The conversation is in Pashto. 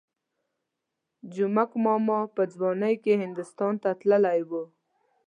جومک ماما په ځوانۍ کې هندوستان ته تللی وو.